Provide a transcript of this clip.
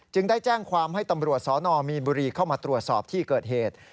ได้แจ้งความให้ตำรวจสนมีนบุรีเข้ามาตรวจสอบที่เกิดเหตุ